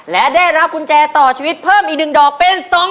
และได้รับกุญแจต่อชีวิตเพิ่มอีก๑ดอกเป็น๒๐๐